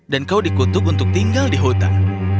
dan kau dikutuk untuk tinggal di hutang